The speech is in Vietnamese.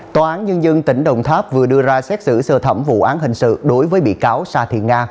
tòa án nhân dân tỉnh đồng tháp vừa đưa ra xét xử sơ thẩm vụ án hình sự đối với bị cáo sa thị nga